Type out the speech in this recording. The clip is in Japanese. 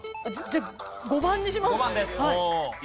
じゃあ５番にします。